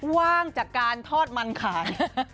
ว่างจากการทอดมันขาย